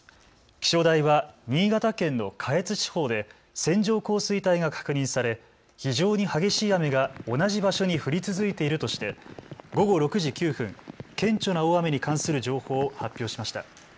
気象台は新潟県の下越地方で線状降水帯が確認され非常に激しい雨が同じ場所に降り続いているとして午後６時９分、顕著な大雨に関する情報を発表しました。